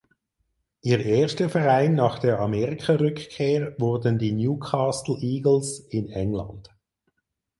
Ihr erster Verein nach der Amerikarückkehr wurden die Newcastle Eagles in England.